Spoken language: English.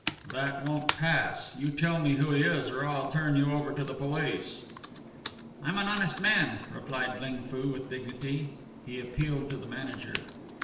"That won't pass. You tell me who he is or I'll turn you over to the police." "I am an honest man," replied Ling Foo with dignity. He appealed to the manager.